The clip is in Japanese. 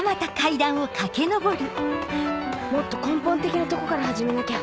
もっと根本的なとこから始めなきゃ